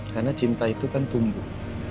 karena cinta itu kan tumbuh